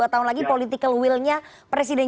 dua tahun lagi political will nya presiden